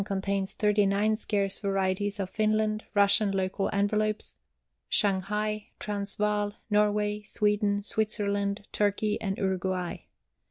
Contains 39 scarce varieties of Finland, Russian Local Envelopes, Shanghai, Transvaal, Norway, Sweden, Switzerland, Turkey, and Uruguay.